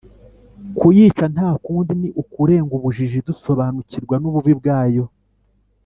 Kuyica nta kundi ni ukurenga ubujiji dusobanukirwa n’ububi bwayo.